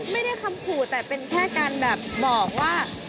ไม่ได้คำขู่แต่เป็นแค่การแบบบอกว่า